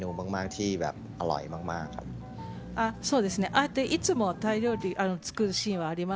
あえていつもはタイ料理を作るシーンはあります。